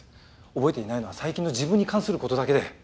覚えていないのは最近の自分に関する事だけで。